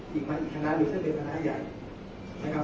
ท่านมีเส้นไปพนัใหญ่นะครับ